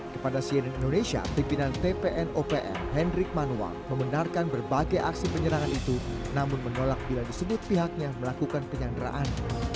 kepada cnn indonesia pimpinan tpn opm hendrik manual membenarkan berbagai aksi penyerangan itu namun menolak bila disebut pihaknya melakukan penyanderaan